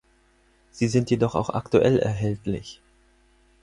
Sie sind jedoch auch aktuell erhältlich.